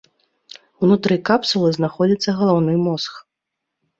Унутры капсулы знаходзіцца галаўны мозг.